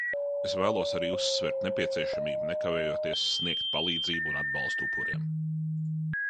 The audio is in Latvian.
Es vēlos arī uzsvērt nepieciešamību nekavējoties sniegt palīdzību un atbalstu upuriem.